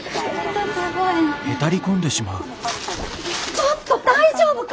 ちょっと大丈夫か！？